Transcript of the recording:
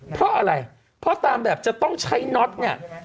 เพราะอะไรเพราะตามแบบจะต้องใช้น็อตเนี่ย